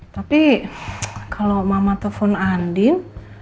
tapi kalau mama telepon andin